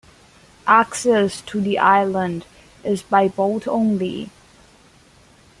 Access to the island is by boat only.